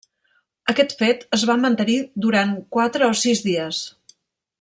Aquest fet es va mantenir duran quatre o sis dies.